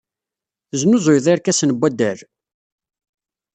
Tesnuzuyeḍ irkasen n waddal?